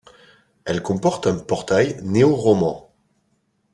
Elle comporte un portail néo-roman.